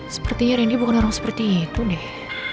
sepertinya randy bukan orang seperti itu deh